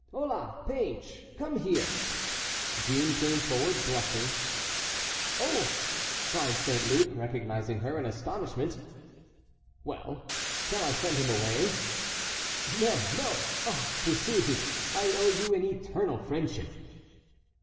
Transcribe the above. "Hola, page, come here." Jeanne came forward, blushing. "Oh!" cried St. Luc, recognizing her, in astonishment. "Well! shall I send him away?" "No, no. Ah Bussy, I owe you an eternal friendship."